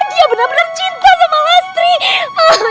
dia benar benar cinta sama istri